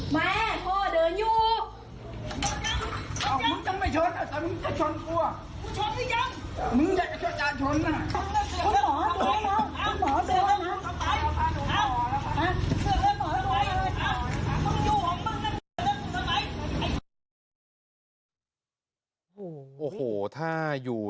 แม่พ่อเดินอยู่